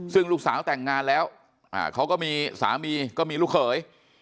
ซึ่งลูกสาวแต่งงานแล้วเขาก็มีสามีก็มีลูกเขย